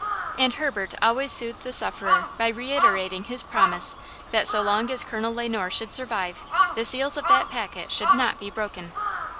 And Herbert always soothed the sufferer by reiterating his promise that so long as Colonel Le Noir should survive the seals of that packet should not be broken.